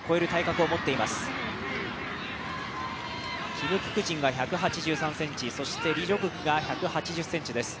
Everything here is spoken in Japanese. キム・ククジンが１８３ｃｍ、そしてリ・ジョグクが１８０ｃｍです。